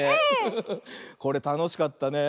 これたのしかったねえ。